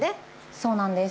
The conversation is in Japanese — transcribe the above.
そうなんです。